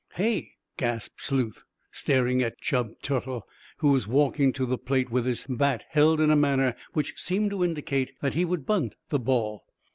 "Hey?" gasped Sleuth, staring at Chub Tuttle, who was walking to the plate with his bat held in a manner which seemed to indicate that he would bunt the ball.